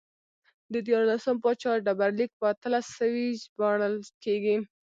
د دیارلسم پاچا ډبرلیک په اتلس سوی ژباړل کېږي